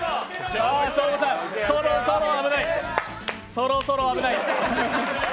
そろそろ危ない。